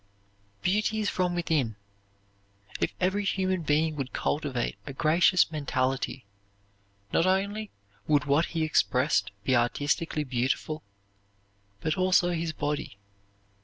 Beauty is from within. If every human being would cultivate a gracious mentality, not only would what he expressed be artistically beautiful, but also his body.